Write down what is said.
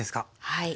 はい。